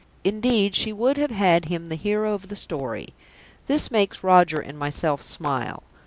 Indeed she would have had him the hero of the story. This makes Roger and myself smile.